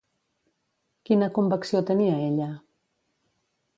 Quina convecció tenia ella?